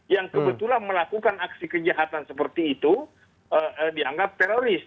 yang kebetulan melakukan aksi kejahatan seperti itu dianggap teroris